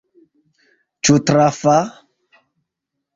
Ĉu trafa?